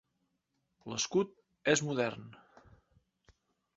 L'escut és modern.